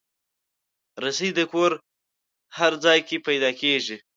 رسۍ د کور هر ځای کې پیدا کېږي.